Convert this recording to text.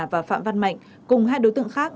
và phạm văn mạnh cùng hai đối tượng khác